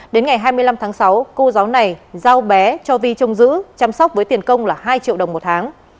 đến ngày hai mươi năm tháng sáu cô giáo này giao bé cho vi trông giữ chăm sóc với tiền công là hai triệu đồng một tháng